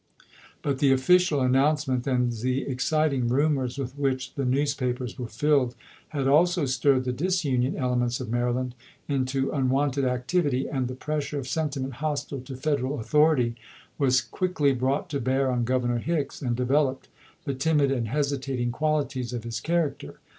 But the official announcements and the exciting rumors with which the newspapers were filled had also stirred the disunion elements of Mary land into unwonted activity, and the pressure of sentiment hostile to Federal authority was quickly brought to bear on Governor Hicks, and developed the timid and hesitating qualities of THE NATIONAL UPKISING 95 his character.